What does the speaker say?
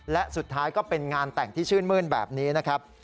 และสุดท้ายก็เป็นงานแต่งที่ชื่นมื้นแบบนี้นะครับ